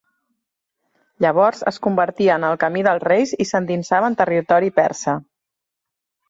Llavors es convertia en el camí dels Reis i s'endinsava en territori persa.